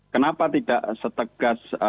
kenapa tidak setegas